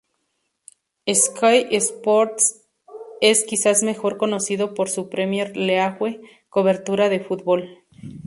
Sky Sports es quizás mejor conocido por su Premier League cobertura de fútbol.